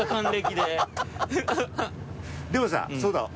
でもさそうだ。